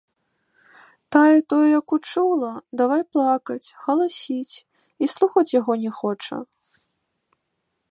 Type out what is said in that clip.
Тая тое як учула, давай плакаць, галасіць і слухаць яго не хоча.